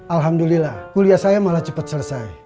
alhamdulillah kuliah saya malah cepat selesai